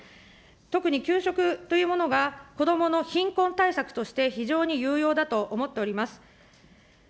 特に給食というものが子どもの貧困対策として非常に有用だと思っております。